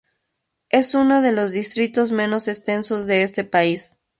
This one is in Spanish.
Es uno de los distritos menos extensos de este país.